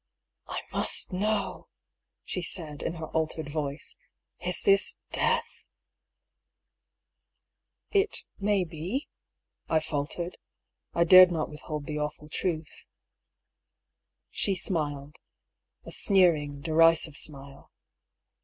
" I must know," she said, in her altered voice. " Is this death f "" It may be," I faltered. I dared not withhold the awful truth. 152 I>R. PAULL'S THEORY. She smiled — a sneering, derisive smile.